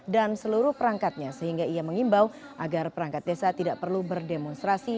dan seluruh perangkatnya sehingga ia mengimbau agar perangkat desa tidak perlu berdemonstrasi